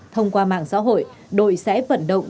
thông qua mạng xã hội đội sẽ vận động